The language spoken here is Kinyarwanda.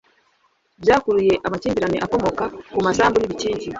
byakuruye amakimbirane akomoka ku masambu n'ibikingi.